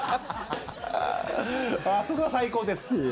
あそこは最高です。